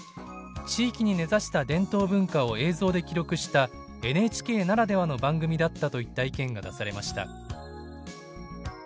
「地域に根ざした伝統文化を映像で記録したＮＨＫならではの番組だった」といった意見が出されました。